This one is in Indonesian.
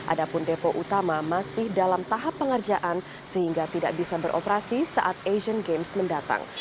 adapun depo utama masih dalam tahap pengerjaan sehingga tidak bisa beroperasi saat asian games mendatang